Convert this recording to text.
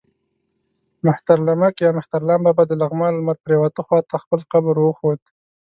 مهترلمک یا مهترلام بابا د لغمان لمر پرېواته خوا ته خپل قبر ور وښود.